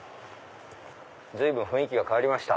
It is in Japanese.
随分雰囲気が変わりました。